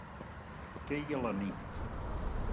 Queia la nit.